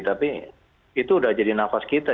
tapi itu udah jadi nafas kita